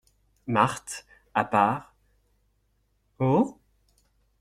Marthe à part. — Oh ?